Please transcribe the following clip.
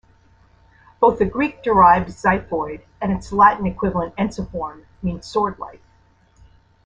Both the Greek derived xiphoid and its Latin equivalent ensiform mean 'swordlike'.